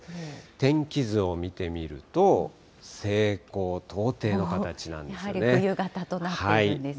天気図を見てみると、やはり冬型となってるんです